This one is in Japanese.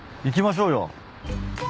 行きましょうよ。